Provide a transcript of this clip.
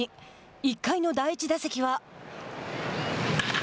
１回の第１打席は。